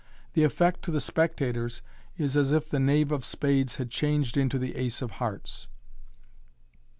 The effect to the spec tators is as if the knave of spades had changed into the ace of hearts.